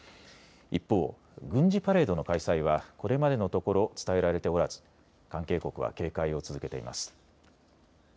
一方、軍事パレードの開催はこれまでのところ伝えられておらず関係国は警戒を続けています。